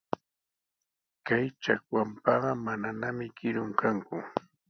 Kay chakwanpaqa mananami kirun kanku.